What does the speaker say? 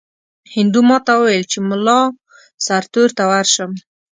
هندو ماته وویل چې مُلا سرتور ته ورشم.